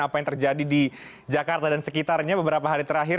apa yang terjadi di jakarta dan sekitarnya beberapa hari terakhir